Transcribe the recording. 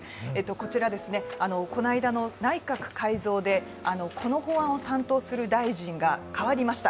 こちら、この間の内閣改造でこの法案を担当する大臣が代わりました。